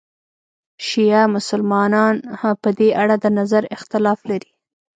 شیعه مسلمانان په دې اړه د نظر اختلاف لري.